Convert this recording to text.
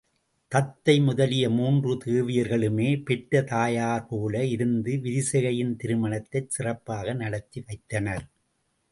தத்தை முதலிய மூன்று தேவியர்களுமே பெற்ற தாயார்போல இருந்து விரிசிகையின் திருமணத்தைச் சிறப்பாக நடத்தி வைத்தனர்.